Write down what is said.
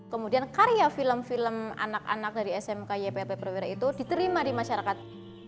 kemudian karya film film anak anak dari smk ypp perwira itu diterima di masyarakat